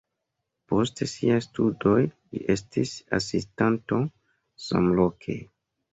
Post siaj studoj li estis asistanto samloke.